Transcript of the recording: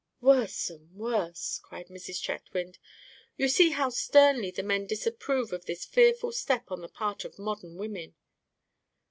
"Worse and worse," cried Mrs. Chetwynd. "You see how sternly the men disapprove of this fearful step on the part of modern women."